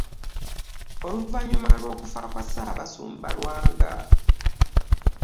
Oluvannyuma lw'okufa kwa Ssaabasumba Lwanga.